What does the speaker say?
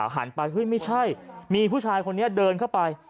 หันไปเฮ้ยไม่ใช่มีผู้ชายคนนี้เดินเข้าไป